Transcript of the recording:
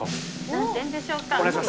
何点でしょうか？